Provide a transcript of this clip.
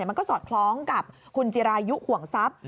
มันก็สอดคล้องกับคุณจิรายุห่วงทรัพย์